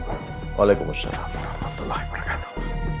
waalaikumsalam warahmatullahi wabarakatuh